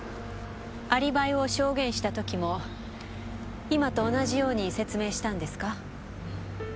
アリバイを証言した時も今と同じように説明したんですか？